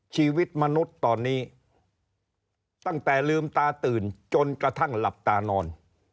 ชีวิตมนุษย์ตอนนี้ตั้งแต่ลืมตาตื่นจนกระทั่งหลับตานอน